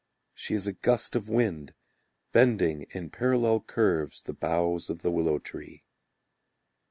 She is a gust of wind, Bending in parallel curves the boughs of the willow tree.